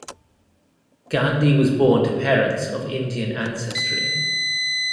Gandhi was born to parents of Indian ancestry.